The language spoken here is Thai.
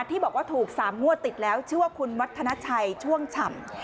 ที่บอกว่าถูก๓งวดติดแล้วชื่อว่าคุณวัฒนาชัยช่วงฉ่ำ